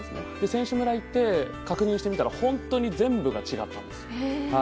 選手村行って確認してみたら本当に全部が違ったんです。